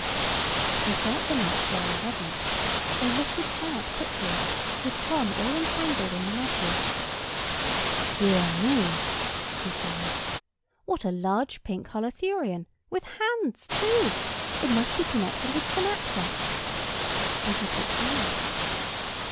He felt the net very heavy; and lifted it out quickly, with Tom all entangled in the meshes. "Dear me!" he cried. "What a large pink Holothurian; with hands, too! It must be connected with Synapta." And he took him out.